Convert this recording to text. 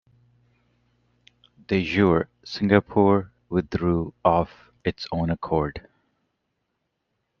"De jure", Singapore withdrew of its own accord.